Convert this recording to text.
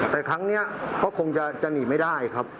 แต่ครั้งนี้ก็คงจะหนีไม่ได้ครับ